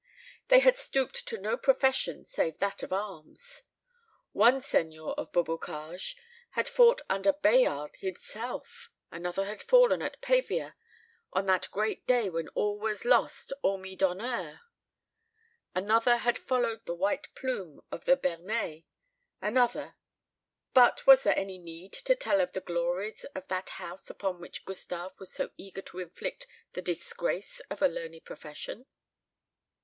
They had stooped to no profession save that of arms. One seigneur of Beaubocage had fought under Bayard himself; another had fallen at Pavia, on that great day when all was lost hormis l'honneur; another had followed the white plume of the Bernais; another but was there any need to tell of the glories of that house upon which Gustave was so eager to inflict the disgrace of a learned profession?